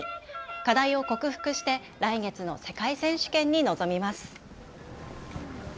課題を克服して来月の世界選手権に臨みます。